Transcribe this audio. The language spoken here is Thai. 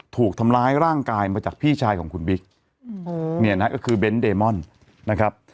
ถูกทำร้ายร่างกายมาจากพี่ชายของคุณบิ๊กเนี่ยนะก็คือเบนท์เดมอนนะครับ